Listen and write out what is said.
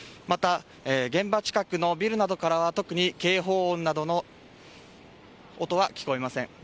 また現場近くのビルなどからは特に警報音などの音は聞こえません。